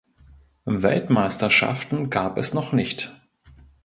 Weltmeisterschaften gab es noch nicht.